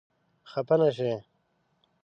خپه نه شې؟